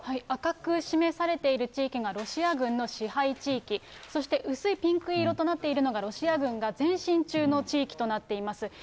赤く示されている地域がロシア軍の支配地域、そして薄いピンク色となっているのが、ロシア軍が前進中の地域となっています。